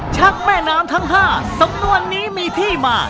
แม่น้ำทั้ง๕สำนวนนี้มีที่มา